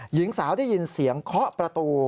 หญิงสาวได้ยินเสียงเคาะประตู